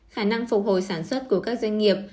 khả năng phục hồi sản xuất của các doanh nghiệp